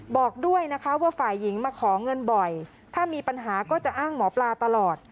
บอกด้วยนะคะว่าฝ่ายหญิงมาขอเงินบ่อยถ้ามีปัญหาก็จะอ้างหมอปลาตลอด